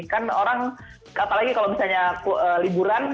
kan orang apalagi kalau misalnya liburan